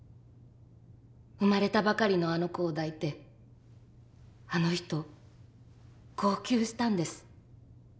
生まれたばかりのあの子を抱いてあの人号泣したんです。